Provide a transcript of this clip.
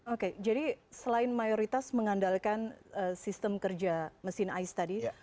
oke jadi selain mayoritas mengandalkan sistem kerja mesin ais tadi